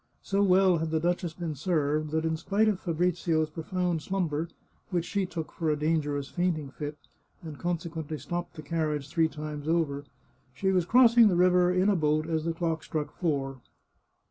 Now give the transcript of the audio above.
So well had the duchess been served, that in spite of Fabrizio's profound slumber, which she took for a dangerous fainting fit, and consequently stopped the carriage three times over, she was crossing the river in a boat as the clock struck four.